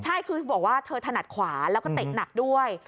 ใช่คือบอกว่าเธอถนัดขวาแล้วก็เตะหนักด้วย